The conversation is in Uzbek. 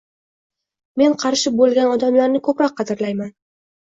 Men qarshi boʻlgan odamlarni koʻproq qadrlayman.